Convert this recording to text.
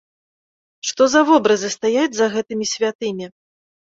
Што за вобразы стаяць за гэтымі святымі?